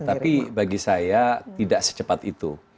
tapi bagi saya tidak secepat itu